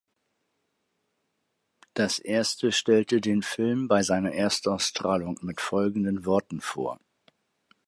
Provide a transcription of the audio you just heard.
Das Erste stellte den Film bei seiner Erstausstrahlung mit folgenden Worten vor.